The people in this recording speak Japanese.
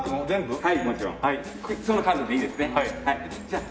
はい。